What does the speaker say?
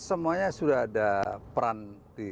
dan semuanya bisa dilaporkan dengan baik dengan presiden